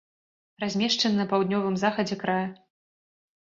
Размешчаны на паўднёвым захадзе края.